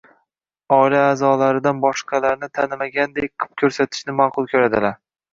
oila aʼzolaridan boshqalarni tanimaydigandek qilib ko‘rsatishni maʼqul ko‘radilar.